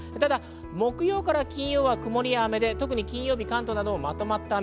木曜から金曜は曇りや雨で金曜日、関東などもまとまった雨。